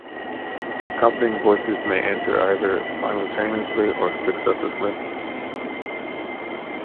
Accompanying voices may enter either simultaneously or successively.